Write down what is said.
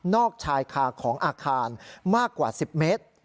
ชายคาของอาคารมากกว่า๑๐เมตร